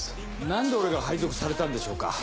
何で俺が配属されたんでしょうか？